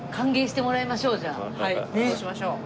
はいそうしましょう。